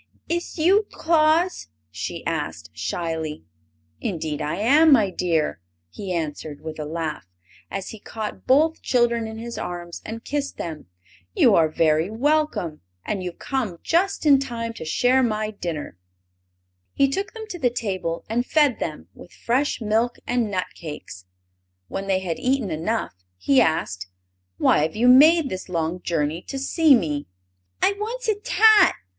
"Is you Tlaus?" she asked, shyly. "Indeed I am, my dear!" he answered, with a laugh, as he caught both children in his arms and kissed them. "You are very welcome, and you have come just in time to share my dinner." He took them to the table and fed them with fresh milk and nut cakes. When they had eaten enough he asked: "Why have you made this long journey to see me?" "I wants a tat!"